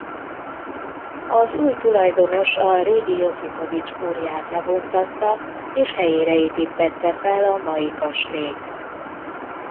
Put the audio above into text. Az új tulajdonos a régi Josipovich-kúriát lebontatta és helyére építtette fel a mai kastélyt.